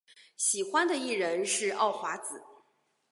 喜欢的艺人是奥华子。